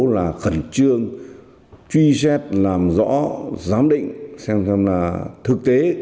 là khẩn trương truy xét làm rõ giám định xem xem là thực tế